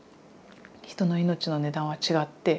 人の命の値段は違って。